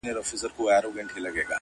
څوک یې درې څوک یې څلور ځله لوستلي.!